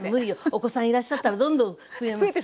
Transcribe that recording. お子さんいらっしゃったらどんどん増えます。